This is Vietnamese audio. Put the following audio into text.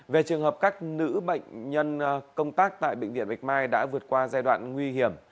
về trường hợp các nữ bệnh nhân công tác tại bệnh viện bạch mai đã vượt qua giai đoạn nguy hiểm